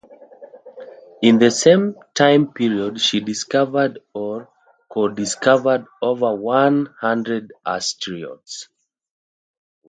In the same time period she discovered or co-discovered over one hundred asteroids.